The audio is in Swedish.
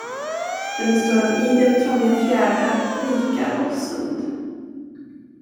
Den består av idel trånga fjärdar, vikar och sund.